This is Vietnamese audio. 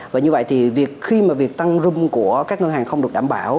và như vậy thì khi mà việc tăng room của các ngân hàng không được đảm bảo